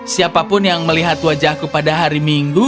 siapapun yang melihat wajahku pada hari minggu